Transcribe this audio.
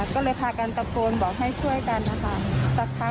ก็เลยพากันตะโกนบอกให้ช่วยกันนะคะสักพัก